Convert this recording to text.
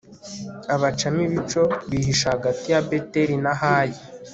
abacamo ibico, bihisha hagati ya beteli na hayi